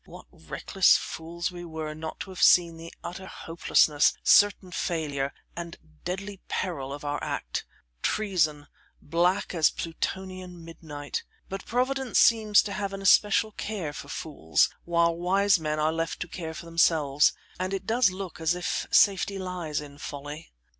What reckless fools we were not to have seen the utter hopelessness, certain failure, and deadly peril of our act; treason black as Plutonian midnight. But Providence seems to have an especial care for fools, while wise men are left to care for themselves, and it does look as if safety lies in folly.